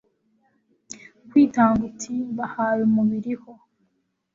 kwitanga uti, mbahaye umubiri ho